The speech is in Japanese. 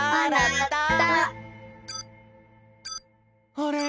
あれ？